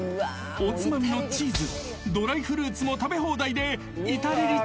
［おつまみのチーズドライフルーツも食べ放題で至れり尽くせり］